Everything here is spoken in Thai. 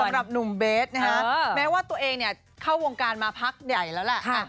สำหรับหนุ่มเบสนะฮะแม้ว่าตัวเองเนี่ยเข้าวงการมาพักใหญ่แล้วแหละ